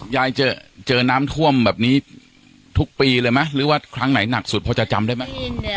ยายเจอน้ำท่วมแบบนี้ทุกปีเลยไหมหรือว่าครั้งไหนหนักสุดพอจะจำได้ไหม